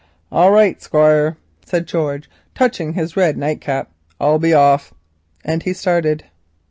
"All right, Squire," said George, touching his red nightcap, "I'll be off," and he started.